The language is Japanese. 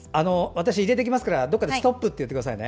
私、入れていきますからどこかでストップ！って言ってくださいね。